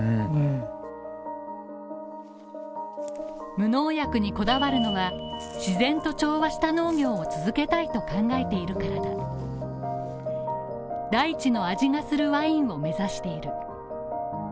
無農薬にこだわるのは自然と調和した農業を続けたいと考えているからだ大地の味がするワインを目指している。